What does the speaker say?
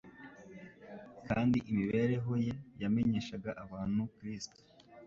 kandi imibereho ye yamenyeshaga abantu Kristo